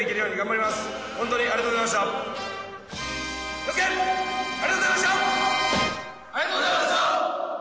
気をつけありがとうございました！